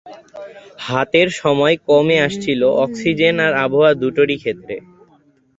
হাতের সময় কমে আসছিল অক্সিজেন আর আবহাওয়া দুটোরই ক্ষেত্রে।